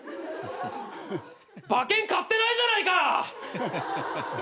馬券買ってないじゃないか！